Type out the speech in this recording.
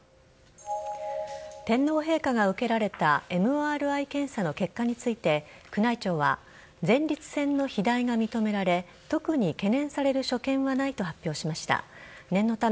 天皇陛下が受けられたＭＲＩ検査の結果について宮内庁は前立腺の肥大が認められ特に懸念される所見はないと発表しました。